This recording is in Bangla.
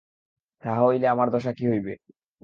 তাহা হইলে আমার দশা কী হইবে?